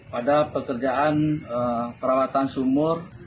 pada pekerjaan perawatan sumur